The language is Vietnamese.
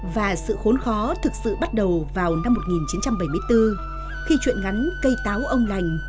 và sự khốn khó thực sự bắt đầu vào năm một nghìn chín trăm bảy mươi bốn khi chuyện ngắn cây táo ông lành